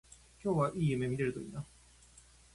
今日はいい夢見れるといいな